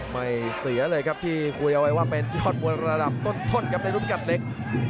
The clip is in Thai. ไม่เสียเลยครับที่คุยเอาไว้ว่าเป็นยอดมวยระดับต้นครับในรุ่นกัดเล็ก